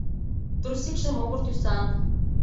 Трусикше могыр тӱсан.